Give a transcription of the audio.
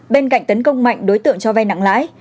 bên cạnh tấn công mạnh đối tượng cho vay nặng lãi